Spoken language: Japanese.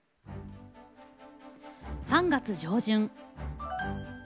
３月上旬。